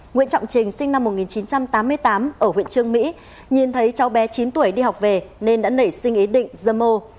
nguyễn trọng trình sinh năm một nghìn chín trăm tám mươi tám ở huyện trương mỹ nhìn thấy cháu bé chín tuổi đi học về nên đã nảy sinh ý định dâm ô